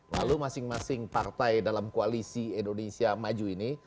lalu masing masing partai dalam koalisi indonesia maju ini